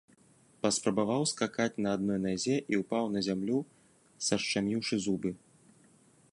Паспрабаваў скакаць на адной назе і ўпаў на зямлю, сашчаміўшы зубы.